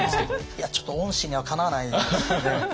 いやちょっと御師にはかなわないですね。